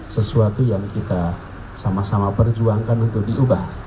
sesuatu yang kita sama sama perjuangkan untuk diubah